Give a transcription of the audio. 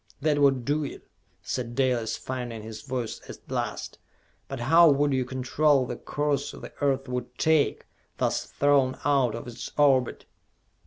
"That would do it," said Dalis, finding his voice at last; "but how would you control the course the Earth would take, thus thrown out of its orbit?"